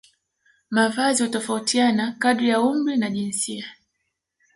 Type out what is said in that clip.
Mavazi hutofautiana kadiri ya umri na jinsia